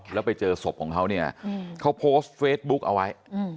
แล้วไปเจอศพของเขาเนี่ยเขาโพสต์เฟซบุ๊กเอาไว้